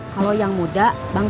kalau yang tua pake gula